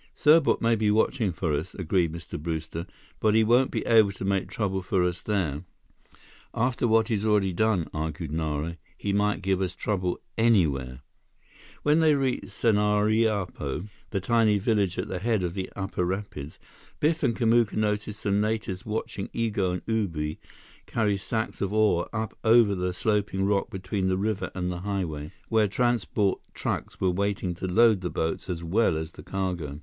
"Serbot may be watching for us," agreed Mr. Brewster, "but he won't be able to make trouble for us there." "After what he's already done," argued Nara, "he might give us trouble anywhere." When they reached Sanariapo, the tiny village at the head of the upper rapids, Biff and Kamuka noticed some natives watching Igo and Ubi carry sacks of ore up over the sloping rock between the river and the highway, where transport trucks were waiting to load the boats as well as the cargo.